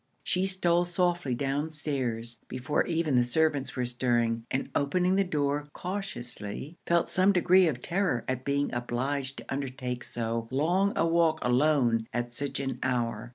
She stole softly down stairs, before even the servants were stirring, and opening the door cautiously, felt some degree of terror at being obliged to undertake so long a walk alone at such an hour.